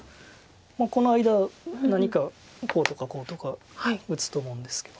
この間何かこうとかこうとか打つと思うんですけど。